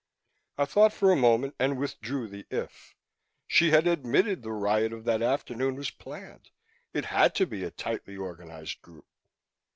I thought for a moment and withdrew the "if." She had admitted the riot of that afternoon was planned. It had to be a tightly organized group.